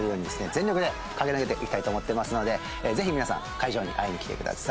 全力で駆け抜けていきたいと思っていますのでぜひ皆さん会場に会いに来てください。